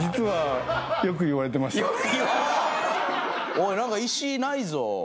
「おいなんか石ないぞ！」。